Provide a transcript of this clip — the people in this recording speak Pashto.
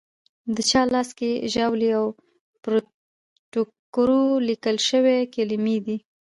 د چا لاس کې ژاولي او پر ټوکرو لیکل شوې کلیمې دي.